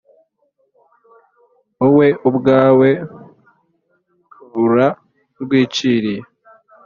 Wowe ubwawe urarwiciriye